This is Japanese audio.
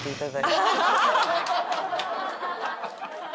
アハハハ！